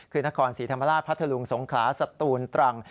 คือนครศรีธรรมราชพัทธลุงสงขลาสตูนตรัง